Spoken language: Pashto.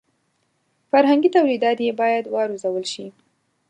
فرهنګي تولیدات یې باید وارزول شي.